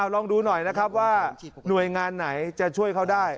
ลองดูหน่อยนะครับว่าหน่วยงานไหนจะช่วยเขาได้